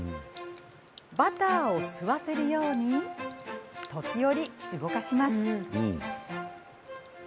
バターを吸わせるように時折、動かします。